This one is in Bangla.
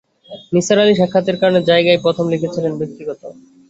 নিসার আলি সাক্ষাতের কারণের জায়গায় প্রথমে লিখেছিলেন ব্যক্তিগত।